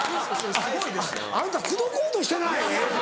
ああなた口説こうとしてない？